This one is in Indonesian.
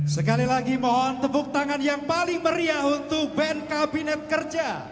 sekali lagi mohon tepuk tangan yang paling meriah untuk band kabinet kerja